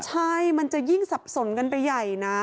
ใช่มันจะยิ่งสับสนกันไปใหญ่นะ